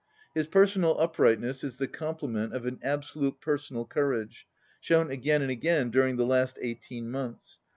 His personal uprightness is the complement of an absolute personal courage, shown again and again during the last eighteen months.